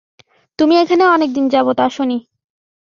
তুমি এখানে অনেকদিন যাবত আসোনি।